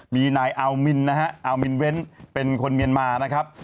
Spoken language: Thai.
มีนายอัลมินนะฮะอัลมินเว้นเป็นคนเมียนมานะครับ